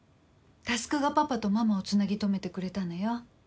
匡がパパとママをつなぎ止めてくれたのよ。